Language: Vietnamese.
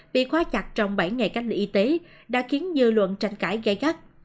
bị khóa chặt trong bảy ngày cách ly y tế đã khiến dư luận tranh cãi gây gắt